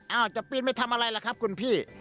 จะปีนไปทำอะไรล่ะครับคุณพี่